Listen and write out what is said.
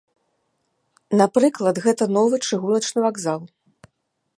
Напрыклад, гэта новы чыгуначны вакзал.